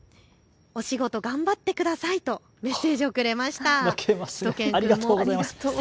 お仕事、頑張ってくださいとメッセージもくれました。